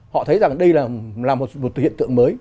họ thấy rằng đây là một hiện tượng mới